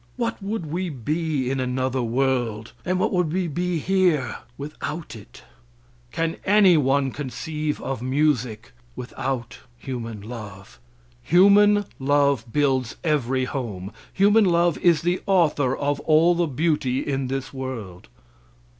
What would we be in another world, and what would we be here without it? Can any one conceive of music without human love? Human love builds every home human love is the author of all the beauty in this world.